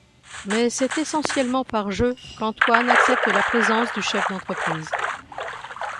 Mais c'est essentiellement par jeu qu'Antoine accepte la présence du chef d'entreprise.